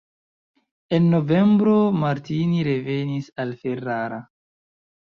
En novembro Martini revenis al Ferrara.